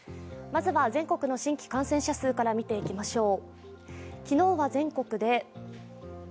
まずは、全国の新規感染者数から見ていきましょう。